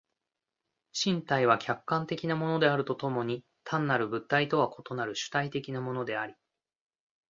身体は客観的なものであると共に単なる物体とは異なる主体的なものであり、